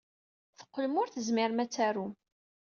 Teqqlem ur tezmirem ad tarum.